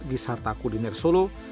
di sata kulinir solo